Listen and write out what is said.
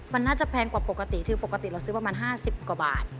มันน่าจะแพงกว่าปกติคือปกติเราซื้อประมาณ๕๐กว่าบาท